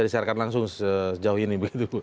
disearkan langsung sejauh ini